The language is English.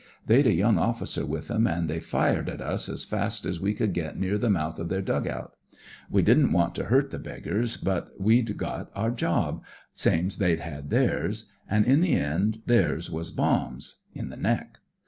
They'd a young officer with 'em, an' they fired at ui ai fast as we could get near the mouth o' their dug out. We didn't want to hurt ! llfc 82 SPIRIT OF BRITISH SOLDIER the beggars, but we*d got our job, same's they had theirs; an' in the end theirs was bombs—in the neck.